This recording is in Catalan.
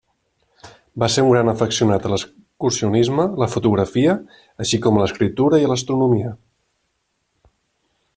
Va ser un gran afeccionat a l'excursionisme, la fotografia així com a l'escriptura i l’astronomia.